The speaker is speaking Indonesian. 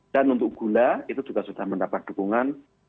dan untuk gula itu juga sudah mendapat dukungan